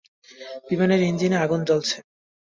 বিমানের ইঞ্জিনে আগুন জ্বলছে।